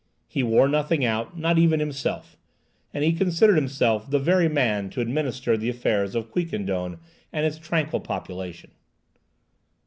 He wore nothing out, not even himself, and he considered himself the very man to administer the affairs of Quiquendone and its tranquil population.